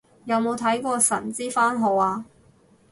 有冇睇過神之番號啊